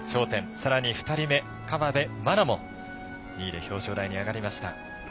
さらに２人目、河辺愛菜も２位で表彰台に上がりました。